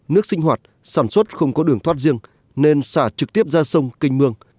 nước sinh hoạt sản xuất không có đường thoát riêng nên xả trực tiếp ra sông kênh mương